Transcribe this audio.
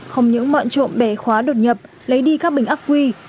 không những bọn trộm bẻ khóa đột nhập lấy đi các bình ác quy